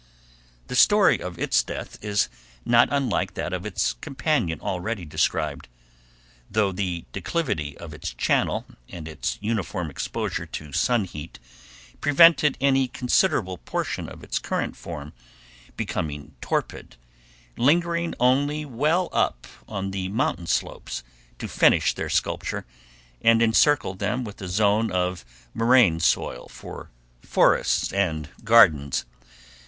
The story of its death is not unlike that of its companion already described, though the declivity of its channel, and its uniform exposure to sun heat prevented any considerable portion of its current from becoming torpid, lingering only well up on the Mountain slopes to finish their sculpture and encircle them with a zone of moraine soil for forests and gardens.